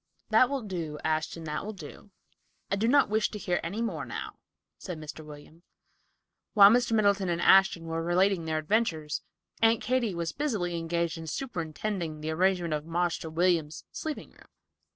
"That will do, Ashton; that will do. I do not wish to hear any more now," said Mr. William. While Mr. Middleton and Ashton were relating their adventures, Aunt Katy was busily engaged in superintending the arrangement of "Marster William's" sleeping room.